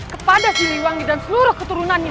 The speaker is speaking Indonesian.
kepada siliwangi dan seluruh keturunannya